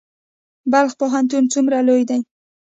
بلخ پوهنتون څومره لوی دی؟